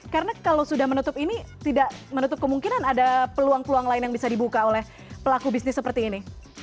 karena kalau sudah menutup ini tidak menutup kemungkinan ada peluang peluang lain yang bisa dibuka oleh pelaku bisnis seperti ini